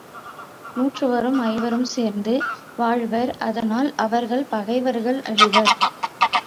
நூற்றுவரும் ஐவரும் சேர்ந்து வாழ்வர், அதனால் அவர்கள் பகைவர்கள் அழிவர்.